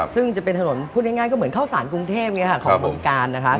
ซึ่งจะเป็นถนนพูดง่ายก็เหมือนเข้าสารกรุงเทพของบึงการนะครับ